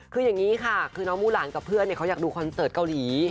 คืออย่างนี้ค่ะคือน้องมูหลานกับเพื่อนเขาอยากดูคอนเสิร์ตเกาหลี